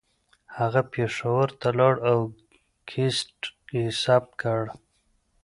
هغه پېښور ته لاړ او کیسټ یې ثبت کړه